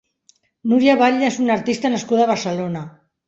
Núria Batlle és una artista nascuda a Barcelona.